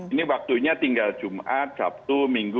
ini waktunya tinggal jumat sabtu minggu